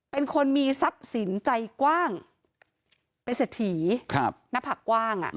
เป็นคนมีทรัพย์สินใจกว้างเป็นเศรษฐีหน้าผากกว้าง